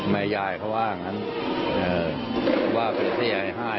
แม่ยายเขาว่าอย่างนั้นว่าเป็นเสียห้า